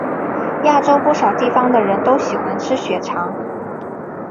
亚洲不少地方的人都喜欢吃血肠。